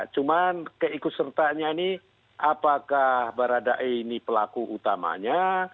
cuma keikut sertanya ini apakah baradae ini pelaku utamanya